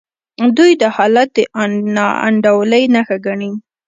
دوی دا حالت د ناانډولۍ نښه ګڼي.